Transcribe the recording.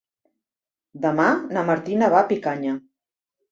Demà na Martina va a Picanya.